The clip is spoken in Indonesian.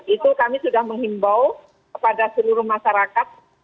itu kami sudah menghimbau kepada seluruh masyarakat